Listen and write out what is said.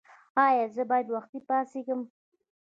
ایا زه باید وختي پاڅیږم؟